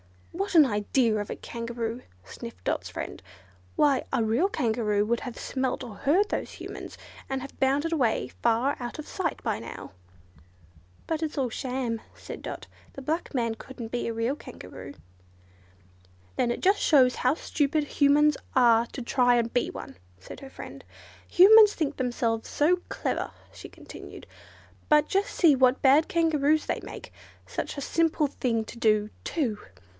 "What an idea of a Kangaroo!" sniffed Dot's friend, "why, a real Kangaroo would have smelt or heard those Humans, and have bounded away far out of sight by now." "But it's all sham," said Dot; "the black man couldn't be a real Kangaroo." "Then it just shows how stupid Humans are to try and be one," said her friend. Humans think themselves so clever," she continued, "but just see what bad Kangaroos they make—such a simple thing to do, too!